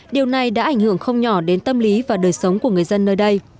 điều này đã ảnh hưởng không nhỏ đến tâm lý và đời sống của người dân nơi đây